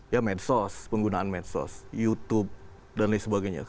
ya medsos penggunaan medsos youtube dan lain sebagainya